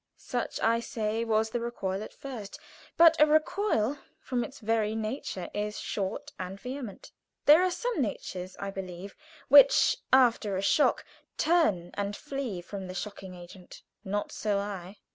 Such, I say, was the recoil at first. But a recoil, from its very nature, is short and vehement. There are some natures, I believe, which after a shock turn and flee from the shocking agent. Not so I.